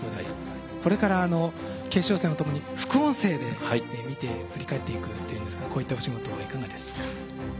これから決勝戦を共に副音声で見て振り返っていくというんですがこういったお仕事はいかがですか？